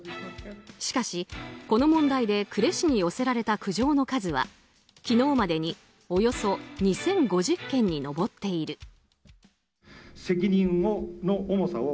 しかし、この問題で呉市に寄せられた苦情の数は昨日までにおよそ２０５０件に上っている。